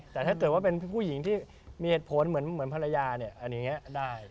แต่ถ้าเป็นผู้หญิงที่มีเหตุผลเหมือนภรรยาอย่างนี้ได้